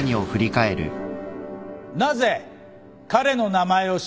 なぜ彼の名前を知ってる？